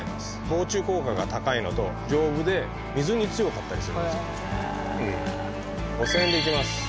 防虫効果が高いのと、丈夫で、水に強かったりするんですよ。